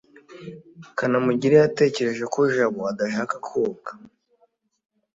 kanamugire yatekereje ko jabo adashaka koga